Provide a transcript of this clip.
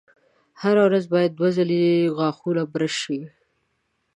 هره ورځ باید دوه ځلې غاښونه برش شي.